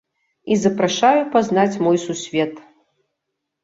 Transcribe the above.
І запрашаю пазнаць мой сусвет!